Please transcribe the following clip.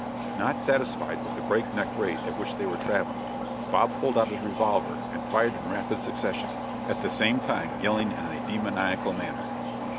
Not satisfied with the break neck rate at which they were traveling, Bob pulled out his revolver and fired in rapid succession, at the same time yelling in a demoniacal manner.